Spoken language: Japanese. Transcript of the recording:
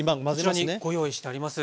こちらにご用意してあります。